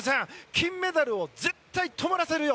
金メダルを絶対にともらせるよ！